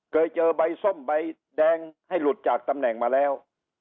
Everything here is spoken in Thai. เคยเจอใบส้มใบแดงให้หลุดจากตำแหน่งมาแล้ว